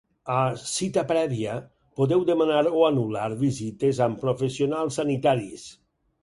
A “Cita prèvia” podeu demanar o anul·lar visites amb professionals sanitaris.